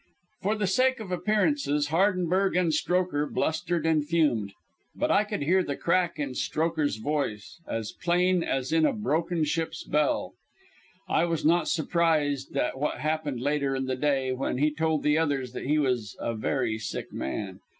For the sake of appearances, Hardenberg and Strokher blustered and fumed, but I could hear the crack in Strokher's voice as plain as in a broken ship's bell. I was not surprised at what happened later in the day, when he told the others that he was a very sick man.